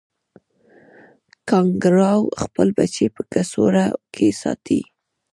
کانګارو خپل بچی په کڅوړه کې ساتي